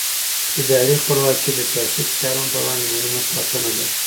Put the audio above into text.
اداري خپلواکي د سیاسي فشارونو پر وړاندې مهمه ساتنه ده